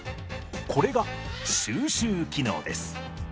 これが収集機能です。